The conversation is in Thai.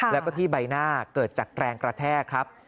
แล้วก็ที่ใบหน้าเกิดจากแรงกระแทกครับ